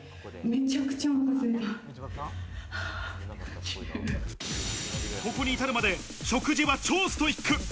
めちゃくここに至るまで、食事は超ストイック。